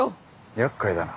やっかいだな。